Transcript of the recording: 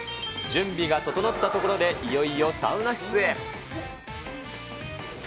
準備が整ったところで、いよいよサウナ室へ。